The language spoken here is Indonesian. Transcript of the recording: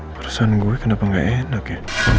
pesan gue kenapa gak enak ya